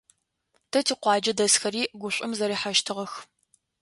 Тэ тикъуаджэ дэсхэри гушӀом зэрихьэщтыгъэх.